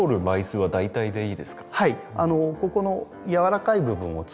はい。